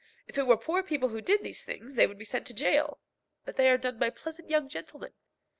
If it were poor people who did these things, they would be sent to jail; but they are done by pleasant young gentlemen.